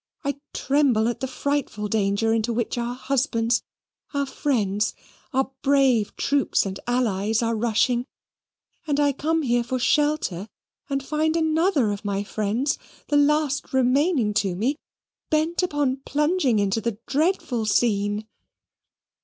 I tremble at the frightful danger into which our husbands, our friends, our brave troops and allies, are rushing. And I come here for shelter, and find another of my friends the last remaining to me bent upon plunging into the dreadful scene!"